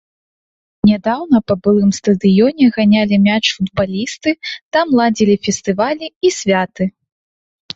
Нядаўна па былым стадыёне ганялі мяч футбалісты, там ладзілі фестывалі і святы.